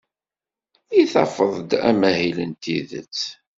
I tafeḍ-d amahil n tidet?